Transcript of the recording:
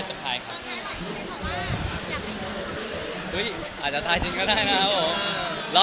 เจ๊พามองว่าอยากให้อุ๊ยอาจจะท้ายจิ้มก็ได้นะครับผม